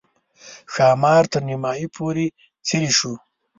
ښامار تر نیمایي پورې څېرې شو.